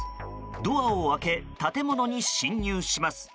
ドアを開け、建物に侵入します。